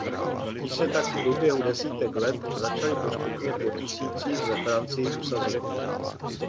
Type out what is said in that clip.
Ti se tak v průběhu desítek let začali postupně po tisících ve Francii usazovat.